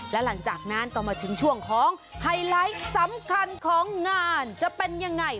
และหลังจากนั้นก็มาถึงช่วงของไฮไลท์สำคัญของงานจะเป็นยังไง